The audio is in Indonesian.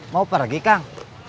mau pergi kang